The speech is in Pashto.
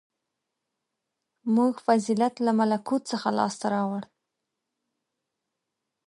• موږ فضیلت له ملکوت څخه لاسته راوړو.